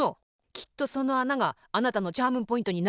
きっとそのあながあなたのチャームポイントになるの。